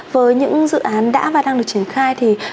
với những dự án đã và đang được triển khai thì